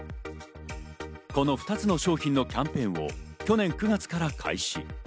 この２つの商品のキャンペーンを去年９月から開始。